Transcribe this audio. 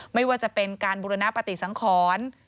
ไม่ว่าจะเป็นการบุรณปฏิสังขร